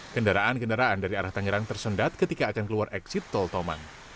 kendaraan kendaraan dari arah tangerang tersendat ketika akan keluar eksit tol tomang